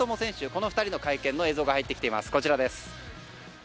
この２人の会見の映像が入ってきています。